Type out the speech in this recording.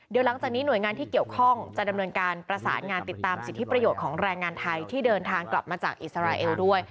เดี๋ยวหลังจากนี้หน่วยงานที่เกี่ยวข้องจะดำเนินการประสานงานติดตามสิทธิประโยชน์ของแรงงานไทยที่เดินทางกลับมาจากอิสราเอลด้วย